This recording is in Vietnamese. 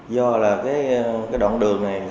do là cái đoạn đường này